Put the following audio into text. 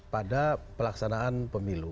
pada pelaksanaan pemilu